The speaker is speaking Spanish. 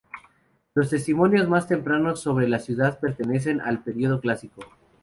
Los testimonios más tempranos sobre la ciudad pertenecen al periodo clásico.